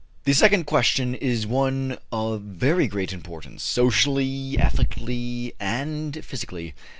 The second question is one of very great importance socially, ethically, and physically.